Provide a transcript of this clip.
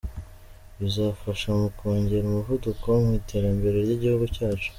Bizafasha mu kongera umuvuduko mu iterambere ry’igihugu cyacu.